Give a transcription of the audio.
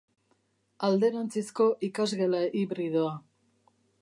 Alderantzizko ikasgela hibridoa.